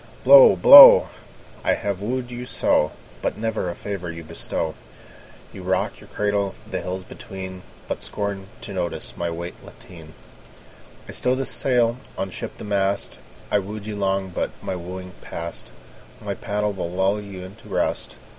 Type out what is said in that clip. Blow, blow! I have wooed you so, But never a favour you bestow. You rock your cradle the hills between, But scorn to notice my white lateen. I stow the sail, unship the mast: I wooed you long but my wooing's past; My paddle will lull you into rest.